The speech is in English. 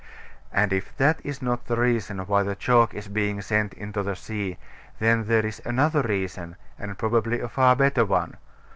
And if that is not the reason why the chalk is being sent into the sea, then there is another reason, and probably a far better one.